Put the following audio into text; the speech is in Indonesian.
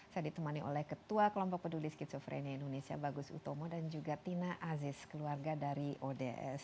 saya ditemani oleh ketua kelompok peduli skizofrenia indonesia bagus utomo dan juga tina aziz keluarga dari ods